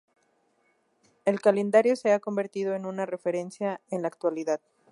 El calendario se ha convertido en una referencia en la actualidad.